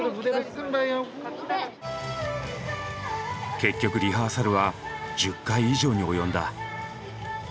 結局リハーサルは１０回以上に及んだ。